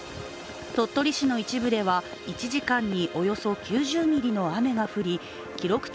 鳥取市の一部では１時間におよそ９０ミリの雨が降り記録的